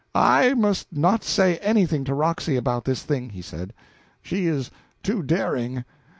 "I must not say anything to Roxy about this thing," he said, "she is too daring.